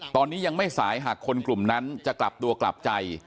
ตอนนี้ยังไม่สายหากคนกลุ่มนั้นจะกลับตัวกลับใจ